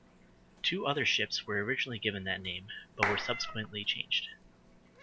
Two other ships were originally given that name, but were subsequently changed.